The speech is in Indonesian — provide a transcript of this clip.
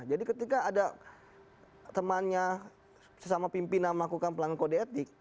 jadi ketika ada temannya sesama pimpinan melakukan pelanggan kode etik